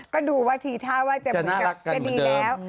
ก็ดูว่าทีท่าว่าจะดีแล้ว